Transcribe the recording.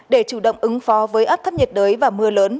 để chủ động ứng phó với áp thấp nhiệt đới và mưa lớn